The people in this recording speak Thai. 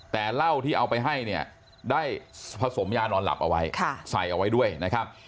แต่เหล้าที่เอาไปให้เนี่ยได้ผสมยานอนหลับเอาไว้ใส่เอาไว้ด้วยนะครับ